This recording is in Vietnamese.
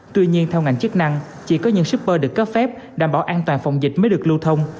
tuy nhiên theo ngành chức năng chỉ có những shipper được cấp phép đảm bảo an toàn phòng dịch mới được lưu thông